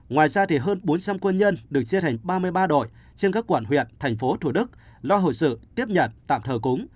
ngoài ra hơn bốn trăm linh quân nhân được chia thành ba mươi ba đội trên các quản huyện thành phố thủ đức lo hội sự tiếp nhận tạm thờ cúng